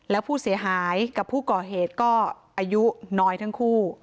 แล้วผู้เสียหายกับผู้ก่อเหตุก็อายุน้อยทั้งคู่